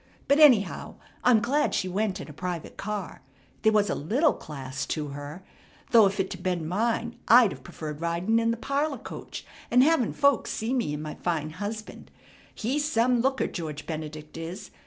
But anyhow I'm glad she went in a private car. There was a little class to her, though if t'had been mine I'd uv preferred ridin' in the parlor coach an' havin' folks see me and my fine husband. He's some looker, George Benedict is!